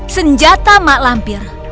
senjata mak lampir